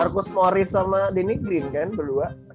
marcus morris sama danny green kan berdua